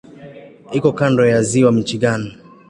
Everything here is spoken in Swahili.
Iko kando ya Ziwa Michigan.